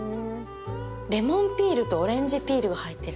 レモンピールとオレンジピールが入ってる。